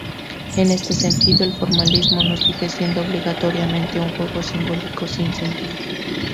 En este sentido, el formalismo no sigue siendo obligatoriamente un juego simbólico sin sentido.